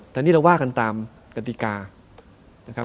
แต่นี่เราว่ากันตามกติกา